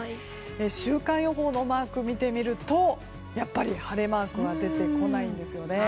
週間予報のマークを見てみると晴れマークは出てこないんですね。